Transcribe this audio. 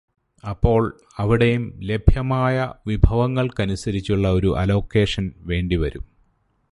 അപ്പോൾ, അവിടെയും ലഭ്യമായ വിഭവങ്ങൾക്കനുസരിച്ചുള്ള ഒരു അലോക്കേഷൻ വേണ്ടി വരും.